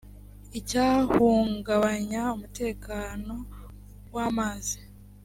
icyahungabanya umutekano w amazi